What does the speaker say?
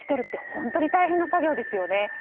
本当に大変な作業ですよね。